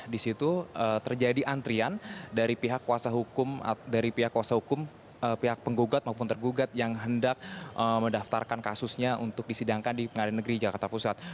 di situ terjadi antrian dari pihak kuasa hukum pihak penggugat maupun tergugat yang hendak mendaftarkan kasusnya untuk disidangkan di pengadilan negeri jakarta pusat